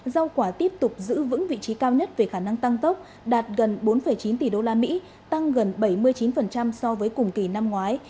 rau quả tiếp tục giữ vững vị trí cao nhất về khả năng tăng tốc đạt gần bốn chín tỷ usd tăng gần bảy mươi chín so với cùng kỳ năm ngoái